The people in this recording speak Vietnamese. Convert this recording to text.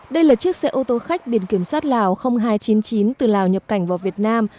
đây là chiếc xe ô tô khách biển kiểm soát lào hai trăm chín mươi chín từ lào nhập cảnh vào việt nam